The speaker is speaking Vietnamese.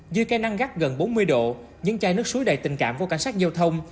dưới cây năng gắt gần bốn mươi độ những chai nước suối đầy tình cảm của cảnh sát giao thông